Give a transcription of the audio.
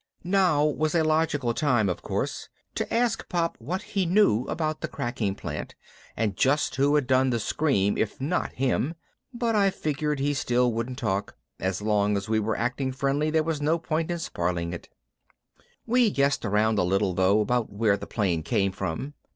Now was a logical time, of course, to ask Pop what he knew about the cracking plant and just who had done the scream if not him, but I figured he still wouldn't talk; as long as we were acting friendly there was no point in spoiling it. We guessed around a little, though, about where the plane came from.